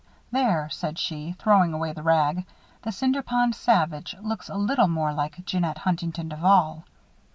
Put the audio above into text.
"There," said she, throwing away the rag. "The Cinder Pond Savage looks a little more like Jeannette Huntington Duval."